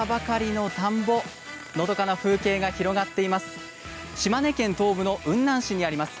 のどかな風景が広がっています。